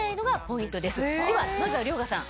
ではまずは遼河さん。